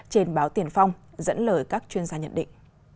trên báo tiền phong dẫn lời các chuyên gia nhận định